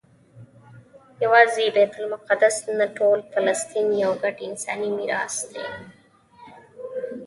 یوازې بیت المقدس نه ټول فلسطین یو ګډ انساني میراث دی.